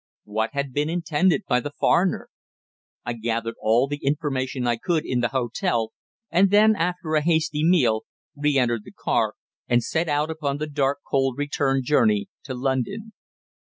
What had been intended by the foreigner? I gathered all the information I could in the hotel, and then, after a hasty meal, re entered the car and set out upon the dark, cold return journey to London.